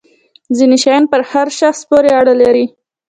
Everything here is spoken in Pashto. ځینې شیان پر هر شخص پورې اړه لري.